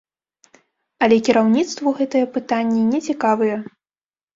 Але кіраўніцтву гэтыя пытанні нецікавыя.